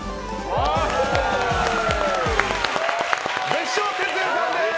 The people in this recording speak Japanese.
別所哲也さんです！